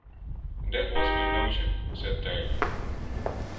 "That was my notion," said Tyler.